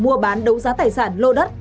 mua bán đấu giá tài sản lô đất